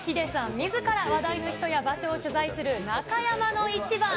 みずから話題の人や場所を取材する、中山のイチバン。